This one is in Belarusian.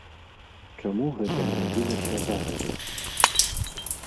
Чаму гэта не рабілася загадзя?